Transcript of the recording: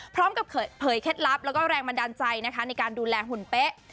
พร้อมกับเผยเคล็ดลับแล้วก็แรงบันดาลใจนะคะในการดูแลหุ่นเป๊ะ